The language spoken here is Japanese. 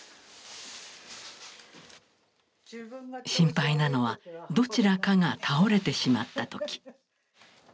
心配なのはどちらかが倒れてしまった時。